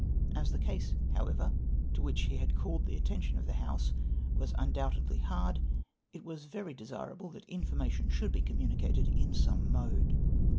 As the case, however, to which he had called the attention of the House, was undoubtedly hard, it was very desirable that information should be communicated in some mode.